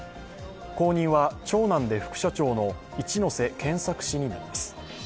後任は長男で副社長の一瀬健作氏になります。